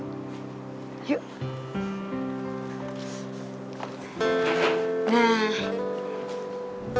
ibu gak boleh berburuk sangka gitu dong